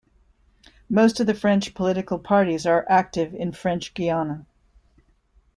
Most of the French political parties are active in French Guiana.